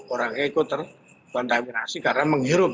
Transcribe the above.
orangnya ikut terkontaminasi karena menghirup